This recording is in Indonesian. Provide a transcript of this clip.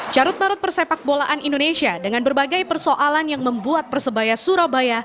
carut marut persepak bolaan indonesia dengan berbagai persoalan yang membuat persebaya surabaya